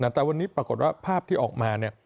แต่วันนี้ปรากฏว่าภาพที่ออกมาเนี่ย